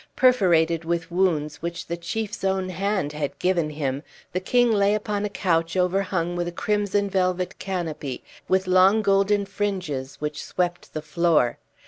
Perforated with wounds which the chief's own hand had given him, the king lay upon a couch overhung with a crimson velvet canopy, with long golden fringes which swept the floor.